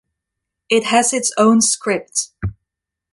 It has its own script.